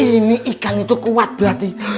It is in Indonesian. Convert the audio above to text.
ini ikan itu kuat berarti